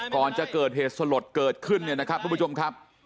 ก่อนจะเกิดเหตุสลดเกิดขึ้นเนี่ยนะครับทุกผู้ชมครับ